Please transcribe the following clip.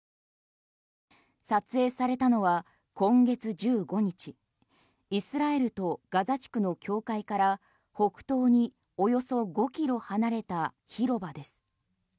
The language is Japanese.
撮影されたのは今月１５日イスラエルとガザ地区の境界から北東におよそ５キロ離れた広場です。